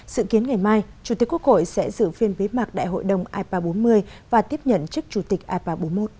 sự kiến ngày mai chủ tịch quốc hội sẽ giữ phiên bế mạc đại hội đồng ipa bốn mươi và tiếp nhận chức chủ tịch ipa bốn mươi một